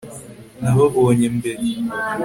nababonye mbere